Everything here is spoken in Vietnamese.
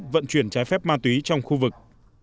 vận chuyển trái phép ma túy trong khu vực